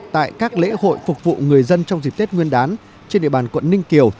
tại các lễ hội phục vụ người dân trong dịp tết nguyên đán trên địa bàn quận ninh kiều